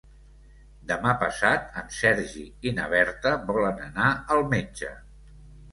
Demà passat en Sergi i na Berta volen anar al metge.